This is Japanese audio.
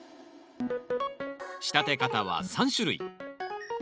仕立て方は３種類。